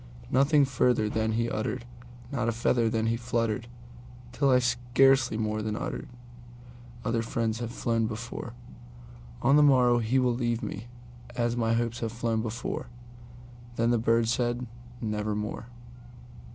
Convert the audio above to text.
Nothing further then he uttered, not a feather then he fluttered, Till I scarcely more than muttered,—"Other friends have flown before; On the morrow he will leave me, as my Hopes have flown before."Then the bird said, "Nevermore."